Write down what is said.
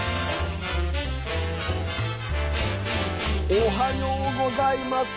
おはようございます。